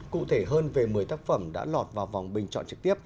cụ thể hơn về một mươi tác phẩm đã lọt vào vòng bình chọn trực tiếp